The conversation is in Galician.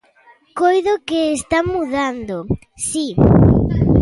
Coido que está mudando, si.